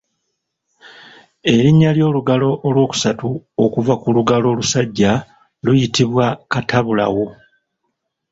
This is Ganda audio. Erinnya ly’olugalo olwokusatu okuva ku lugalo olusajja luyitibwa katabulawo.